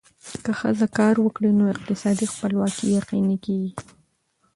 که ښځه کار وکړي، نو اقتصادي خپلواکي یقیني کېږي.